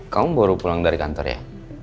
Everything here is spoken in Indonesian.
kamu baru pulang dari kantor ya